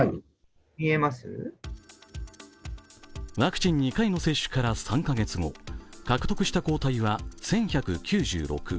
ワクチン２回の接種から３カ月後獲得した抗体は１１９６。